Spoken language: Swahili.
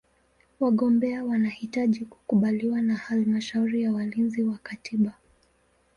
Wagombea wanahitaji kukubaliwa na Halmashauri ya Walinzi wa Katiba.